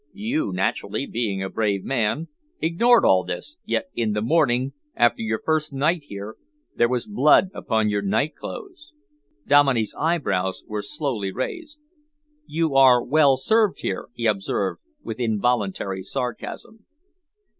You naturally, being a brave man, ignored all this, yet in the morning after your first night here there was blood upon your night clothes." Dominey's eyebrows were slowly raised. "You are well served here," he observed, with involuntary sarcasm.